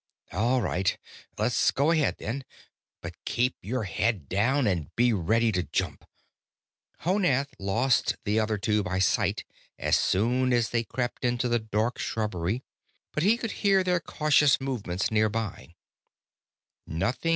"All right. Let's go ahead, then. But keep your head down, and be ready to jump!" Honath lost the other two by sight as soon as they crept into the dark shrubbery, but he could hear their cautious movements nearby.